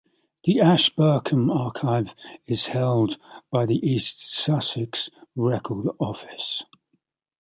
The Ashburnham archive is held by the East Sussex Record Office.